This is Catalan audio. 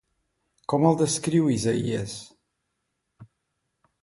Com el descriu Isaïes?